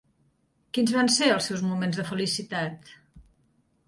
Quins van ser els seus moments de felicitat?